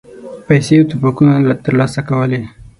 پیسې او توپکونه ترلاسه کولې.